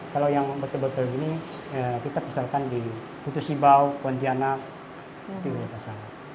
kalau yang betul betul begini kita pasarkan di putus ibau pontianak itu saja